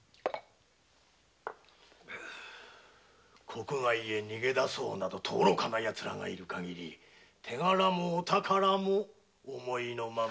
国外へ逃げ出そうなどという愚かなヤツがいる限り手柄もお宝も思いのままよ。